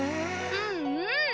うんうん。